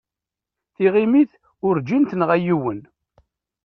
Tiɣimit urǧin tenɣa yiwen.